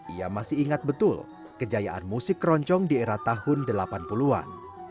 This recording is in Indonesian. ia masih ingat betul kejayaan musik keroncong di era tahun delapan puluh an